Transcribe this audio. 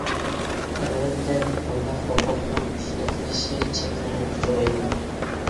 ئەلۋەتتە، بۇنداق ھوقۇقنىڭ ئىشلىتىلىشى چەكلىمىگە ئۇچرايدۇ.